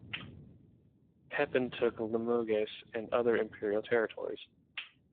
Pepin took Limoges and other Imperial territories.